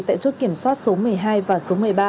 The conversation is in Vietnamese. tại chốt kiểm soát số một mươi hai và số một mươi ba